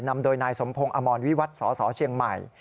นำโดยนายสมพงศ์อมรวิวัตรสสเชียงใหม่